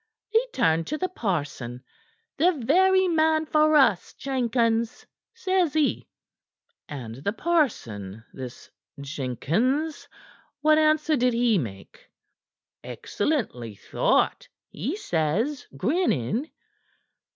"He turned to the parson. 'The very man for us, Jenkins,' says he." "And the parson this Jenkins what answer did he make?" "'Excellently thought,' he says, grinning."